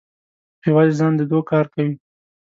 په یوازې ځان د دوو کار کوي.